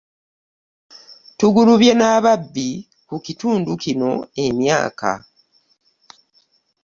Tugulubye n'ababbi ku kitundu kino emyaka.